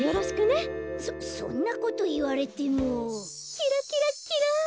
キラキラキラン！